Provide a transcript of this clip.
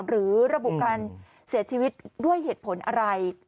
หรือระบุการเสียชีวิตด้วยเหตุผลอะไร